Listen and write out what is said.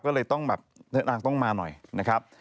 ก็เลยต้องแบบต้องมาหน่อยนะครับ